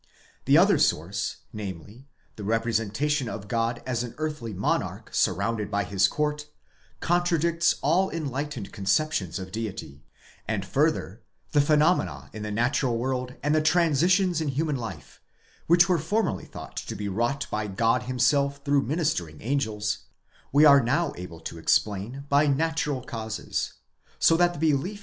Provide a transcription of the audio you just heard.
The other source, namely, the representation of God as an earthly monarch surrounded by his court, contradicts all enlightened conceptions of Deity ; and further, the phenomena in the natural world and the transitions in human life, which were formerly thought to be wrought by God himself through ministering angels, we are now able to explain by natural causes; so that the belief in 9 Geschichte der drei letzten Lebensjahre Jesu, sammt dessen Jugendgeschichte.